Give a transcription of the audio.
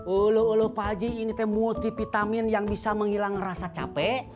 ulu ulu pak haji ini tuh multivitamin yang bisa menghilang rasa capek